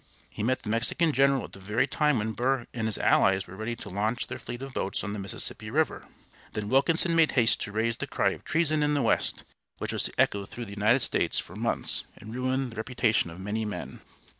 He met the Mexican general at the very time when Burr and his allies were ready to launch their fleet of boats on the Mississippi River. Then Wilkinson made haste to raise the cry of "Treason in the West," which was to echo through the United States for months, and ruin the reputation of many men.